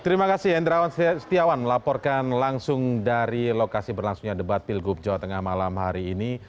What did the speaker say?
terima kasih hendrawan setiawan melaporkan langsung dari lokasi berlangsungnya debat pilgub jawa tengah malam hari ini